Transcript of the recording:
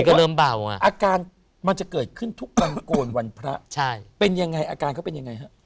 ก็เริ่มเบาอ่ะอาการมันจะเกิดขึ้นทุกวันโกนวันพระใช่เป็นยังไงอาการเขาเป็นยังไงฮะ